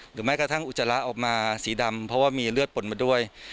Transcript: แม้กระทั่งอุจจาระออกมาสีดำเพราะว่ามีเลือดปนมาด้วย